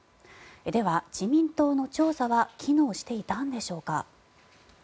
では自民党の調査は機能していたんでしょうか。